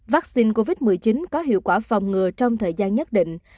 vaccine covid một mươi chín có hiệu quả phòng ngừa trong thời gian nhất định